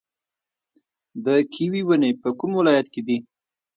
د کیوي ونې په کوم ولایت کې دي؟